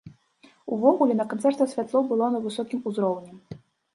Увогуле, на канцэрце святло было на высокім ўзроўні.